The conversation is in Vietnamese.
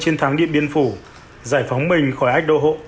như thắng điện biên phụ giải phóng mình khỏi ách đô hộ